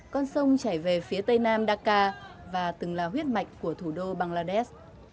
con sông chảy về phía tây nam daka và từng là huyết mạch của thủ đô bangladesh